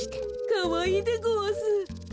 かわいいでごわす。